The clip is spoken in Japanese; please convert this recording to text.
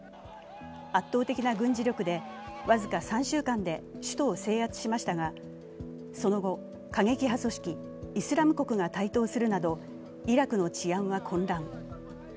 圧倒的な軍事力で、僅か３週間で首都を制圧しましたが、その後、過激派組織イスラム国が台頭するなどイラクの治安は混乱。